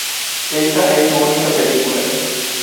Esta es su única película.